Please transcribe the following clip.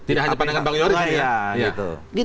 tidak hanya pandangan bang yoris